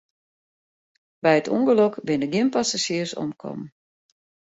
By it ûngelok binne gjin passazjiers omkommen.